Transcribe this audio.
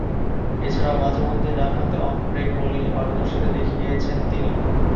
এছাড়াও, মাঝে-মধ্যে ডানহাতে অফ ব্রেক বোলিংয়ে পারদর্শীতা দেখিয়েছেন তিনি।